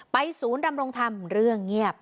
ศูนย์ดำรงธรรมเรื่องเงียบ